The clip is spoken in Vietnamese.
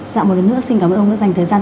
dạo một lần nữa xin cảm ơn ông đã dành thời gian